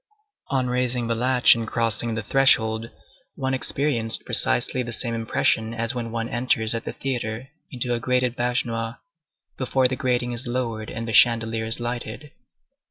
On raising the latch and crossing the threshold, one experienced precisely the same impression as when one enters at the theatre into a grated baignoire, before the grating is lowered and the chandelier is lighted.